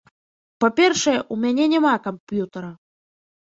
Па-першае, у мяне няма камп'ютара.